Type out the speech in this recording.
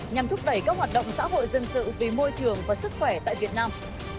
nhằm thúc đẩy các hoạt động xã hội dân sự vì môi trường và sức khỏe tại việt nam